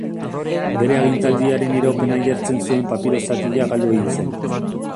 Bere agintaldiaren iraupena jartzen zuen papiro zatia galdu egin zen.